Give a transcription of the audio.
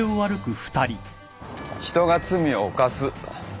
人が罪を犯す。